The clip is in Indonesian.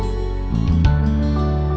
aku masih sakit